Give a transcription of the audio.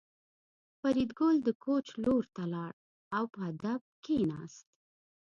فریدګل د کوچ لور ته لاړ او په ادب کېناست